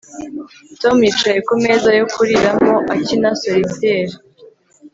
Tom yicaye kumeza yo kuriramo akina solitaire